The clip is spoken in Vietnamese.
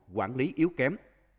quản lý yếu kém